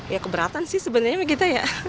ya keberatan sih sebenarnya kita ya